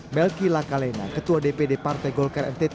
melki lakalena ketua dpd partai golkar ntt